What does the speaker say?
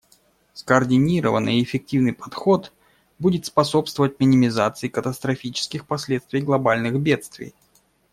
Скоординированный и эффективный подход будет способствовать минимизации катастрофических последствий глобальных бедствий.